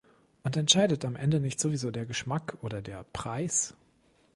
Und entscheidet am Ende nicht sowieso der Geschmack oder der Preis?